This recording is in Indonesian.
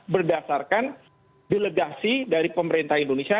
berdasarkan delegasi dari pemerintah indonesia